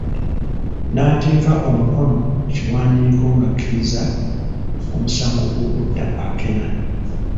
N'ateeka omukono ku kiwandiiko ng'akkiriza omusango gw'okutta Akena.